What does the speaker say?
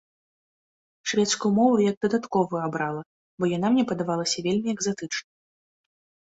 Шведскую мову як дадатковую абрала, бо яна мне падавалася вельмі экзатычнай.